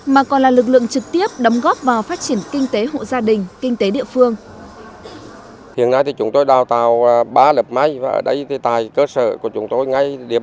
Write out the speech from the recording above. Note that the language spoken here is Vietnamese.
mà còn là lực lượng trực tiếp đóng góp vào phát triển kinh tế hộ gia đình kinh tế địa phương